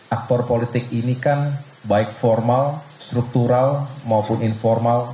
aktor politik ini kan baik formal struktural maupun informal